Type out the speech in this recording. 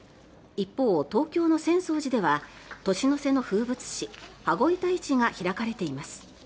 一方、東京の浅草寺では年の瀬の風物詩羽子板市が開かれています。